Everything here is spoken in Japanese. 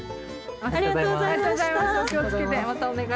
ありがとうございます。